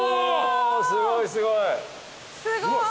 すごいすごい。